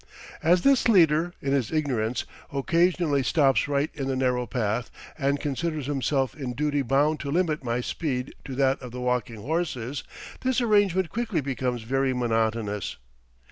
As this leader, in his ignorance, occasionally stops right in the narrow path, and considers himself in duty bound to limit my speed to that of the walking horses, this arrangement quickly becomes very monotonous.